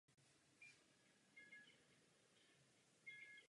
Evropské státy jsou určitě ve výzkumných projektech na vysoké úrovni.